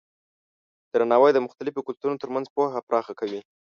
درناوی د مختلفو کلتورونو ترمنځ پوهه پراخه کوي.